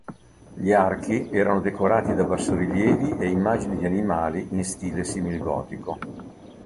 Gli archi erano decorati da bassorilievi e immagini di animali in stile simil-gotico.